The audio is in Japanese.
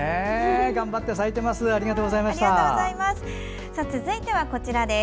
頑張って咲いてます。